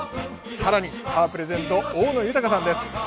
さらに、カープレジェンド大野豊さんです。